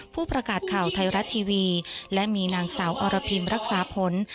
ผู้ประกาศข่าวไทยรัฐทีวีและมีนางสาวอรพิมรักษาผล